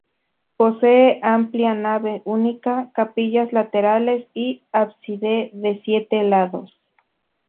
Posee amplia nave única, capillas laterales y ábside de siete lados.